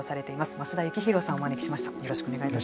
増田幸宏さんをお招きしました。